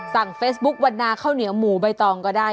สั่งเฟซบุ๊ควันนาข้าวเหนียวหมูใบตองก็ได้